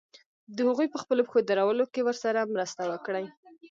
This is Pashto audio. د هغوی په خپلو پښو درولو کې ورسره مرسته وکړي.